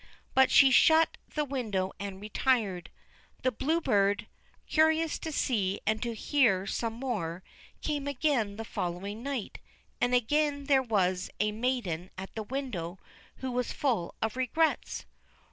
But she shut the window and retired. The Blue Bird, curious to see and to hear some more, came again the following night, and again there was a maiden at the window who was full of regrets.